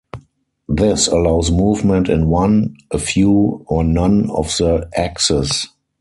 This allows movement in one, a few, or none of the axes.